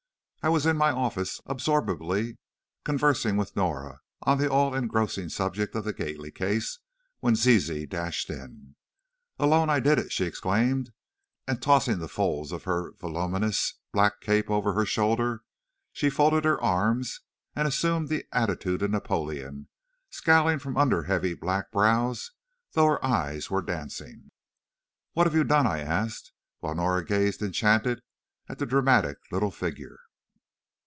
I was in my office, absorbedly conversing with Norah on the all engrossing subject of the Gately case, when Zizi dashed in. "Alone I did it!" she exclaimed, and tossing the folds of her voluminous black cape over her shoulder, she folded her arms and assumed the attitude of Napoleon; scowling from under her heavy black brows, though her eyes were dancing. "What have you done?" I asked, while Norah gazed enchanted at the dramatic little figure.